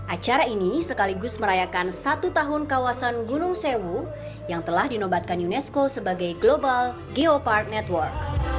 acara ini sekaligus merayakan satu tahun kawasan gunung sewu yang telah dinobatkan unesco sebagai global geopark network